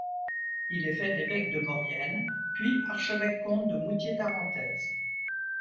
Il est fait évêque de Maurienne, puis archevêque-comte de Moûtiers-Tarentaise.